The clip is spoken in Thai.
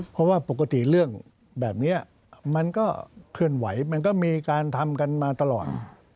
เพราะว่าปกติเรื่องแบบนี้มันก็เคลื่อนไหวมันก็มีการทำกันมาตลอด